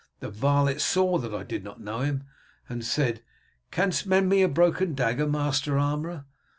The varlet saw that I did not know him, and said, 'Canst mend me a broken dagger, master armourer?'